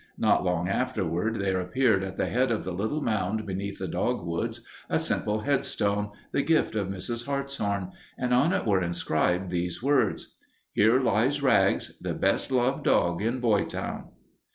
Not long afterward there appeared at the head of the little mound beneath the dogwoods a simple headstone, the gift of Mrs. Hartshorn, and on it were inscribed these words: HERE LIES RAGS The Best Loved Dog in Boytown.